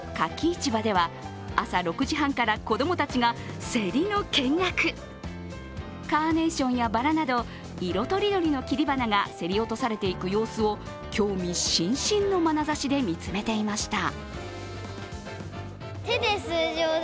市場では朝６時半から子供たちが競りの見学カーネーションやバラなど、色とりどりの切り花が競り落とされていく様子を興味津々の眼差しで見つめていました。